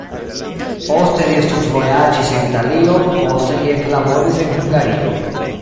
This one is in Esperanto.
Poste li studvojaĝis en Italio, poste li eklaboris en Hungario.